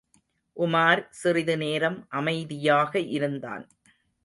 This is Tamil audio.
உமார் சிறிது நேரம் அமைதியாக இருந்தான்.